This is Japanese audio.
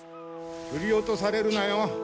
ふり落とされるなよ。